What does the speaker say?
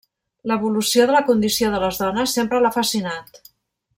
L'evolució de la condició de les dones sempre l'ha fascinat.